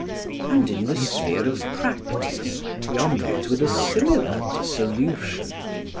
And in the sphere of practice we are met with a similar dissolution.